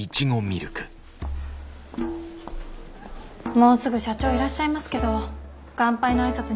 もうすぐ社長いらっしゃいますけど乾杯の挨拶には間に合いますよね？